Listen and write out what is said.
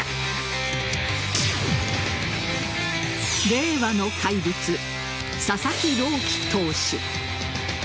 令和の怪物・佐々木朗希投手。